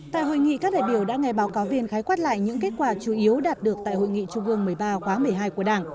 tại hội nghị các đại biểu đã nghe báo cáo viên khái quát lại những kết quả chủ yếu đạt được tại hội nghị trung ương một mươi ba khóa một mươi hai của đảng